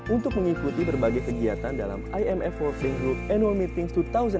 untuk mengikuti berbagai kegiatan dalam imf worldhing group annual meetings dua ribu delapan belas